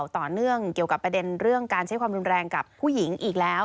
ต่อเนื่องเกี่ยวกับประเด็นเรื่องการใช้ความรุนแรงกับผู้หญิงอีกแล้ว